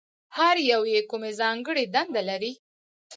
هر یو یې کومې ځانګړې دندې لري؟